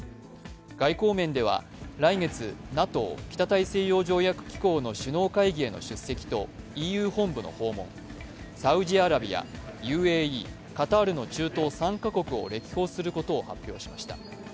外交面では来月、ＮＡＴＯ＝北大西洋条約機構の首脳会議への出席とＥＵ本部の訪問、サウジアラビア、ＵＡＥ、カタールの中東３か国を歴訪することを発表しました。